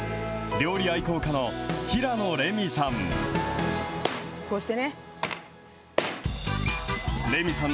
料理愛好家の平野レミさん。